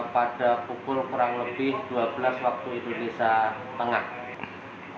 pada pukul kurang lebih dua belas waktu indonesia tengah